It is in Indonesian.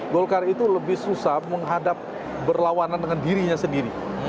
golkar itu lebih susah menghadap berlawanan dengan dirinya sendiri